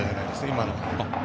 今のは。